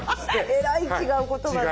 えらい違う言葉が。